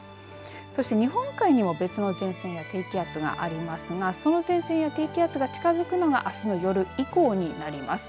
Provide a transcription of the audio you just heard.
そして日本海にも別の前線や低気圧がありますがその前線や低気圧が近づくのがあすの夜以降になります。